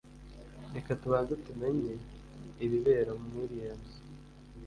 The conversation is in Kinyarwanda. Reka tubanze tumenye ibibera mu iriya nzu.